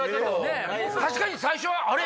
確かに最初はあれ？